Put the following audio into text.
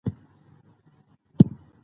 ناسا دا امکان رد کړ.